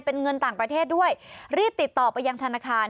เป็นเงินต่างประเทศด้วยรีบติดต่อไปยังธนาคาร